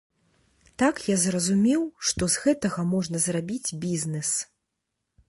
Так я зразумеў, што з гэтага можна зрабіць бізнес.